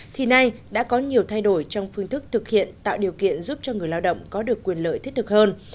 thì nay đã có nhiều thay đổi trong phương thức thực hiện tạo điều kiện giúp cho người lao động có được quyền lợi thiết thực hơn